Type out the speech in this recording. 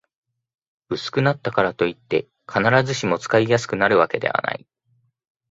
薄くなったからといって、必ずしも使いやすくなるわけではない